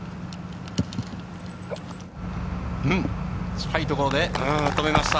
近いところで止めました。